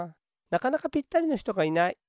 なかなかぴったりのひとがいない。